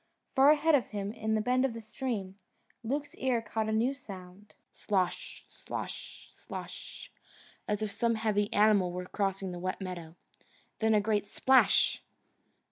Far ahead of him in a bend of the stream, Luke's ear caught a new sound: SLOSH, SLOSH, SLOSH, as if some heavy animal were crossing the wet meadow. Then a great splash!